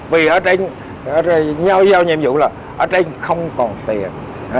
vì ở trên nhau giao nhiệm vụ là ở trên không còn tiền